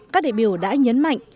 các đại biểu đã nhấn mạnh